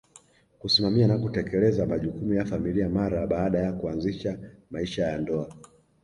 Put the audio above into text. kusimamia na kutekeleza majukumu ya familia mara baada ya kuanza maisha ya ndoa